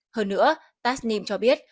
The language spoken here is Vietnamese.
hơn nữa tasnim cho biết